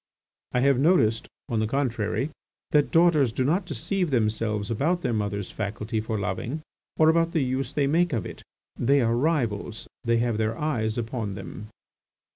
I have noticed, on the contrary, that daughters do not deceive themselves about their mothers' faculty for loving or about the use they make of it; they are rivals; they have their eyes upon them."